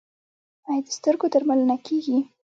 آیا د سترګو درملنه کیږي؟